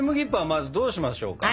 まずどうしましょうか？